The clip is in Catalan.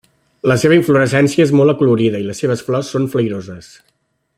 La seva inflorescència és molt acolorida i les seves flors són flairoses.